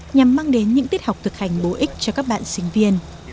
nhằm mang đến những tiết học thực hành bổ ích cho các bạn sinh viên